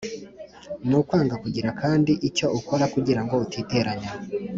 ni ukwanga kandi kugira icyo ukora kugira ngo utiteranya.